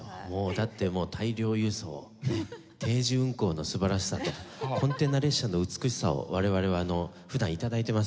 だってもう大量輸送定時運行の素晴らしさとコンテナ列車の美しさを我々は普段頂いてますのでね。